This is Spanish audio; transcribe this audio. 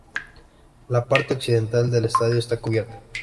La parte occidental del estadio está cubierta.